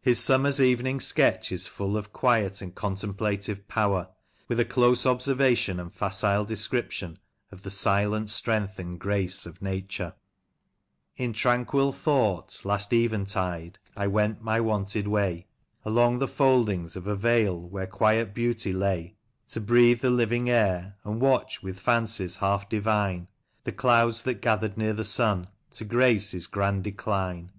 His " Summer's Evening Sketch " is full of quiet and lo Lancashire Characters and Places, contemplative power, with a close observation and facile description of "the silent strength and grace" of Nature: —In tranquil thought, last eventide, I went my wonted way, Along the foldings of a vale where quiet beauty lay, To breathe the living air, and watch with fancies half divine The clouds that gathered near the sun, to grace his grand decline.